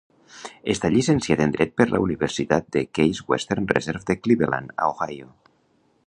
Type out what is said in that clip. Està llicenciat en dret per la Universitat Case Western Reserve de Cleveland, a Ohio.